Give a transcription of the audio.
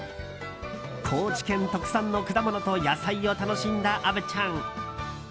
高知県特産の果物と野菜を楽しんだ虻ちゃん。